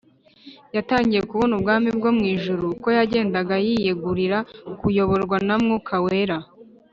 Yatangiye kubona ubwami bwo mw’ijuru uko yagendaga yiyegurira kuyoborwa na Mwuka Wera.